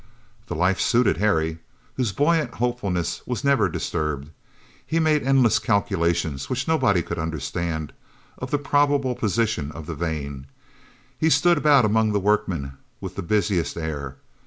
The life suited Harry, whose buoyant hopefulness was never disturbed. He made endless calculations, which nobody could understand, of the probable position of the vein. He stood about among the workmen with the busiest air.